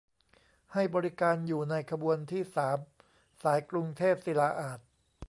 ให้บริการอยู่ในขบวนที่ สาม สายกรุงเทพศิลาอาสน์